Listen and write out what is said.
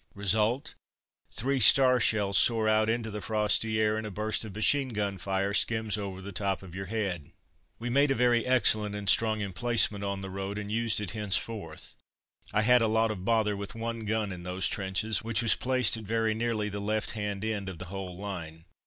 Result: three star shells soar out into the frosty air, and a burst of machine gun fire skims over the top of your head. We made a very excellent and strong emplacement on the road, and used it henceforth. I had a lot of bother with one gun in those trenches, which was placed at very nearly the left hand end of the whole line.